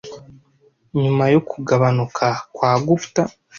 Nyuma yo kugabanuka kwa Gupta